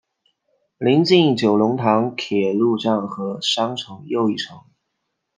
邻近九龙塘铁路站和商场又一城。